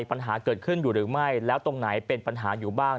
ปัญหาเกิดขึ้นอยู่หรือไม่แล้วตรงไหนเป็นปัญหาอยู่บ้าง